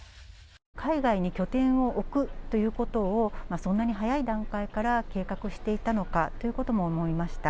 海外に拠点を置くということを、そんなに早い段階から計画していたのかということも思いました。